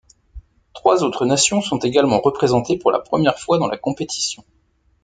Trois autres nations sont également représentées pour la première fois dans la compétition.